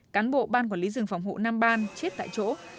cán bộ ban quản lý rừng phòng hộ nam ban chết tại chỗ